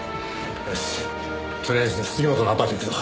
よしとりあえず杉本のアパート行くぞ。